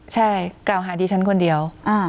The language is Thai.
ใช่กล่าวหาดีฉันคนเดียว